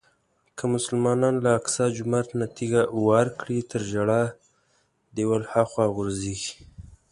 که مسلمانان له اقصی جومات نه تیږه واره کړي تر ژړا دیوال هاخوا غورځېږي.